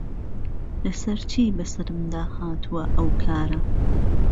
له سهر چی به سهرم دا هاتووه ئهوکاره